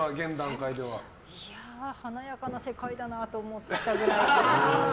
華やかな世界だなと思ったぐらいで。